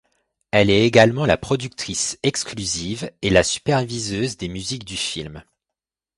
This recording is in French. Elle est également la productrice exclusive et la superviseuse des musiques du film.